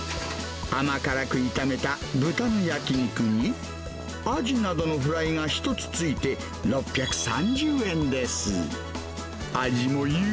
甘辛く炒めた豚の焼き肉に、アジなどのフライが１つ付いて、６３０円です。